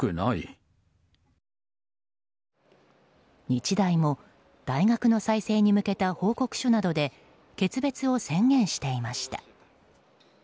日大も大学の再生に向けた報告書などで決別を宣言していました。